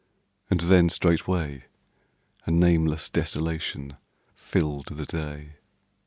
And then straightway A nameless desolation filled the day.